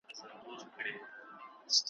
چا پیران اوچا غوثان را ننګوله `